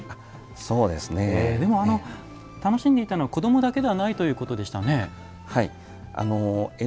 楽しんでいたのは子どもだけではないということでしたね。